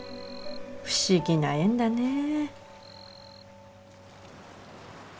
不思議な縁だねぇ。